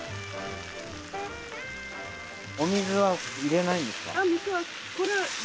お水は入れないんですか？